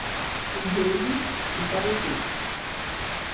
Enviei-lhe o parecer